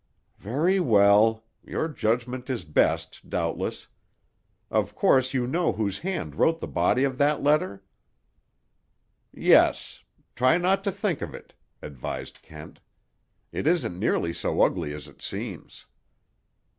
"Very well. Your judgment is best, doubtless. Of course you know whose hand wrote the body of that letter?" "Yes; try not to think of it," advised Kent. "It isn't nearly so ugly as it seems."